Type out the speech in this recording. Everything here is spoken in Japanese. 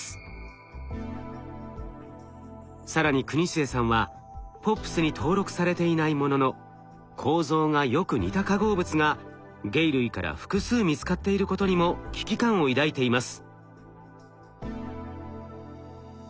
更に国末さんはＰＯＰｓに登録されていないものの構造がよく似た化合物が鯨類から複数見つかっていることにも危機感を抱いています。